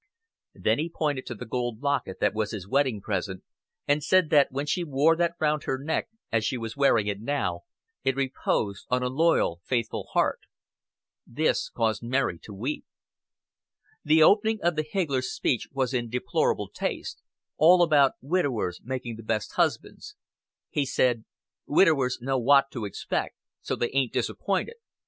Then he pointed to the gold locket that was his wedding present, and said that when she wore that round her neck, as she was wearing it now, "it reposed on a loyal, faithful heart." This caused Mary to weep. The opening of the higgler's speech was in deplorable taste all about widowers making the best husbands. He said, "Widowers know what to expect; so they ain't disappointed.